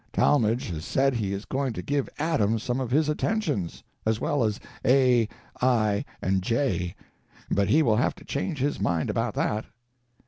Talmage has said he is going to give Adam some of his attentions, as well as A., I. and J. But he will have to change his mind about that."